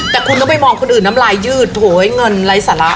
แต่คุณต้องไปมองคนอื่นน้ำลายยืดโถเงินไร้สาระ